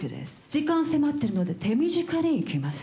時間迫ってるので手短に行きます。